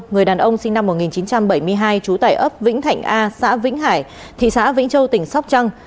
người đàn ông sinh năm một nghìn chín trăm bảy mươi hai trú tại ấp vĩnh thạnh a xã vĩnh hải thị xã vĩnh châu tỉnh sóc trăng